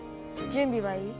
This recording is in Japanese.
準備はいい？